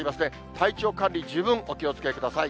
体調管理、十分お気をつけください。